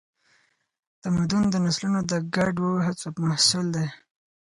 تمدن د نسلونو د ګډو هڅو محصول دی.